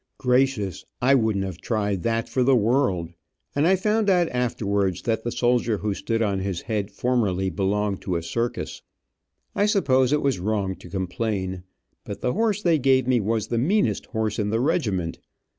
Gracious, I wouldn t have tried that for the world, and I found out afterwards that the soldier who stood on his head formerly belonged with a circus. I suppose it was wrong to complain, but the horse they gave me was the meanest horse in the regiment.